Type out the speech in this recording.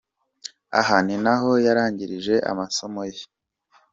Aha ni naho yarangirije amasomo ye.